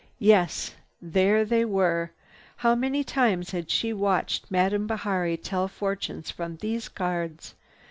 Yes, there they were. How many times she had watched Madame Bihari tell fortunes from those cards!